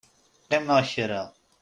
Qqimeɣ kra.